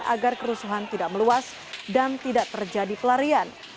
agar kerusuhan tidak meluas dan tidak terjadi pelarian